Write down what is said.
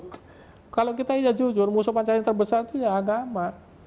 kalau kita iya jujur musuh pancasila yang terbesar itu ya agama